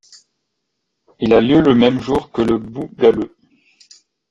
Il a lieu le même jour que le Bout galeux.